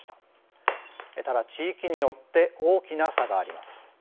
ただ地域によって大きな差があります。